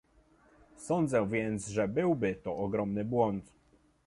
Sądzę więc, że byłby to ogromny błąd